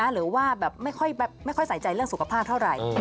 หรือว่าแบบไม่ค่อยใส่ใจเรื่องสุขภาพเท่าไหร่